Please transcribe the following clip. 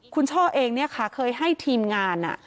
คุณช่อเองค่ะเคยให้ทีมงาน